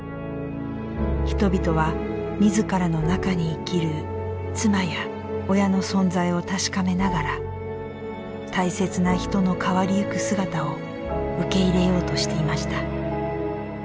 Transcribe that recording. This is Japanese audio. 人々は、自らの中に生きる妻や親の存在を確かめながら大切な人の変わりゆく姿を受け入れようとしていました。